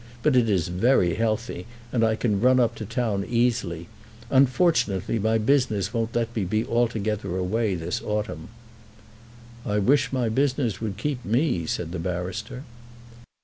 But it is very healthy, and I can run up to town easily. Unfortunately my business won't let me be altogether away this autumn." "I wish my business would keep me," said the barrister.